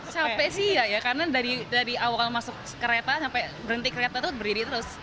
capek sih ya karena dari awal masuk kereta sampai berhenti kereta itu berdiri terus